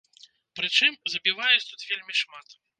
Прычым, забіваюць тут вельмі шмат.